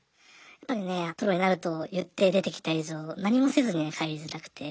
やっぱりねプロになると言って出てきた以上何もせずには帰りづらくて。